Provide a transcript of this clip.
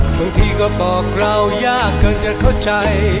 บางทีก็บอกเรายากจนจะเข้าใจ